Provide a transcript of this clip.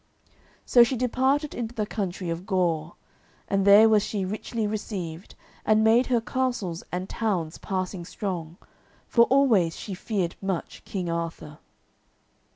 So she departed into the country of Gore, and there was she richly received, and made her castles and towns passing strong, for always she feared much King Arthur.